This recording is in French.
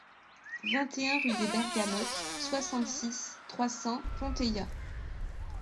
vingt et un rue des Bergamotes, soixante-six, trois cents, Ponteilla